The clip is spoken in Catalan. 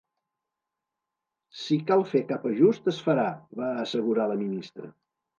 “Si cal fer cap ajust, es farà”, va assegurar la ministra.